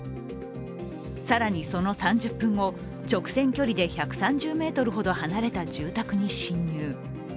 更にその３０分後直線距離で１３０ｍほど離れた住宅に侵入。